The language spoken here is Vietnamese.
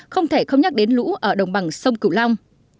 không thể không nhắc đến lũ ở đồng bằng sông cửu long